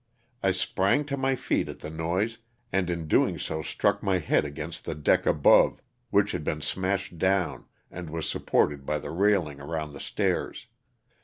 I sprang to my feet at the noise, and in doing so struck my head against the deck above, which had been smashed down and was supported by the railing around the stairs.